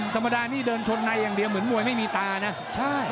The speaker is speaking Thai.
ธรรมดานี่เดินชนในอย่างเดียวเหมือนมวยไม่มีตานะใช่